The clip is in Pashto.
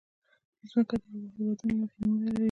مځکه د هېوادونو له مخې نومونه لري.